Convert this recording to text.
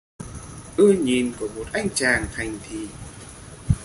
ưa Nhìn của một anh chàng thành thị